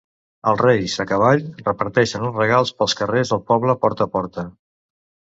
Els Reis, a cavall, reparteixen els regals pels carrers del poble porta a porta.